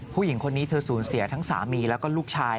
ผู้หญิงคนนี้เธอสูญเสียทั้งสามีแล้วก็ลูกชาย